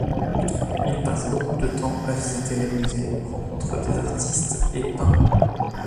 Il passe beaucoup de temps à visiter les musées, rencontre des artistes et peint.